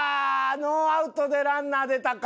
ノーアウトでランナー出たか。